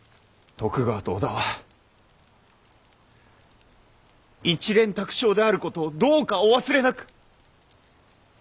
徳川と織田は一蓮托生であることをどうかお忘れなく！